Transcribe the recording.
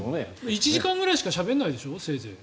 １時間ぐらいしかしゃべらないでしょ、せいぜい。